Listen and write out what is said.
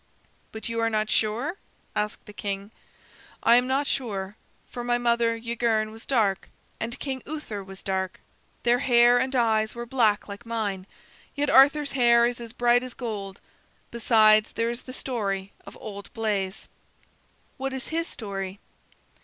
"But you are not sure?" asked the king. "I am not sure. For my mother Yguerne was dark, and King Uther was dark. Their hair and eyes were black like mine. Yet Arthur's hair is as bright as gold. Besides, there is the story of old Bleys." "What is his story?"